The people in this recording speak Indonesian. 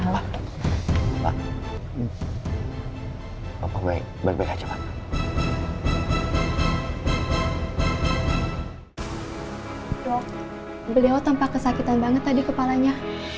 dok beliau tampak kesakitan banget tadi kepalanya